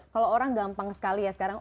kalau orang gampang sekali ya sekarang